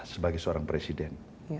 sebagai seorang presiden